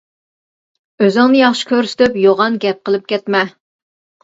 ئۆزۈڭنى ياخشى كۆرسىتىپ، يوغان گەپ قىلىپ كەتمە.